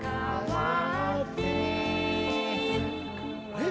えっ？